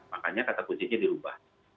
makanya kata kuncinya dirubah